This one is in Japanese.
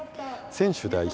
選手代表